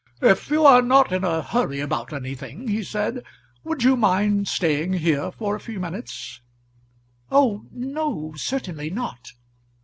"If you are not in a hurry about anything," he said, "would you mind staying here for a few minutes?" "Oh no, certainly not."